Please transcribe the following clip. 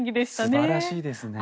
素晴らしいですね。